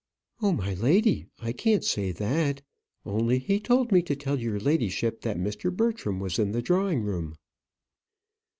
"Oh, my lady, I can't say that. Only he told me to tell your ladyship that Mr. Bertram was in the drawing room."